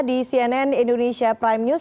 di cnn indonesia prime news